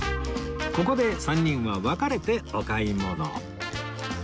ここで３人は別れてお買い物